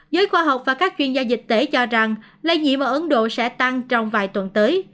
giới khoa học và các chuyên gia dịch tễ cho rằng lây nhiễm ở ấn độ sẽ tăng trong vài tuần tới